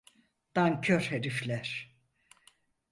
Nankör herifler…